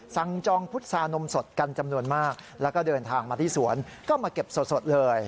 จองพุษานมสดกันจำนวนมากแล้วก็เดินทางมาที่สวนก็มาเก็บสดเลย